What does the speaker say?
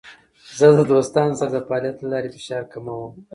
زه د دوستانو سره د فعالیت له لارې فشار کموم.